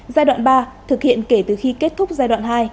giai đoạn ba thực hiện kể từ khi kết thúc giai đoạn hai